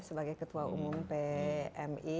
sebagai ketua umum pmi